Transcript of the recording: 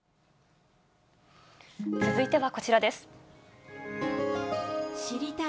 続いてはこちらです。